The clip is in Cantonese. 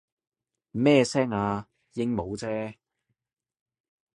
咩聲啊？鸚鵡啫